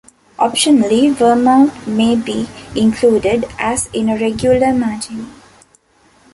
Optionally, vermouth may be included, as in a regular martini.